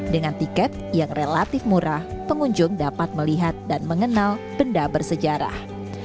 dengan tiket yang relatif murah pengunjung dapat melihat dan mengenal benda bersejarah